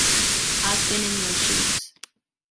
I’ve been in your shoes.